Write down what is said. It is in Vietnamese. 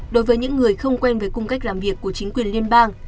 đối với những người không quen với cung cách làm việc của chính quyền liên bang